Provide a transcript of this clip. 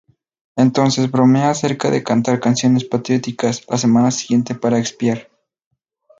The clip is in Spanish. Entonces bromea acerca de cantar canciones patrióticas la semana siguiente para expiar.